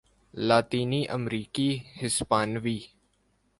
لاطینی امریکی ہسپانوی